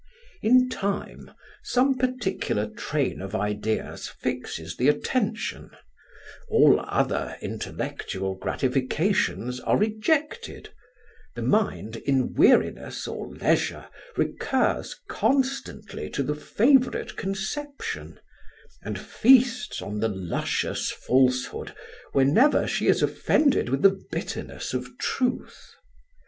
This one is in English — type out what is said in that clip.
"In time some particular train of ideas fixes the attention; all other intellectual gratifications are rejected; the mind, in weariness or leisure, recurs constantly to the favourite conception, and feasts on the luscious falsehood whenever she is offended with the bitterness of truth.